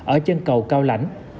ở chân cầu cao lãnh